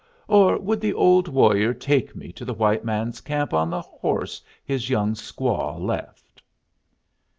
Or would the old warrior take me to the white man's camp on the horse his young squaw left?"